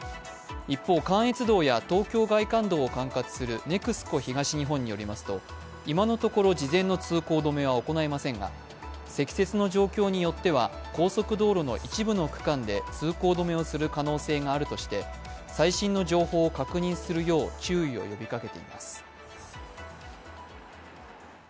一方、関越道や東京外環道を管轄するＮＥＸＣＯ東日本によりますと今のところ事前の通行止めは行いませんが積雪の状況によっては、高速道路の一部の区間で通行止めをする可能性があるとして最新の情報を確認するよう注意を呼びかけています。